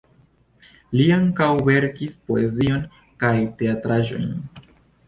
Li ankaŭ verkis poezion kaj teatraĵojn.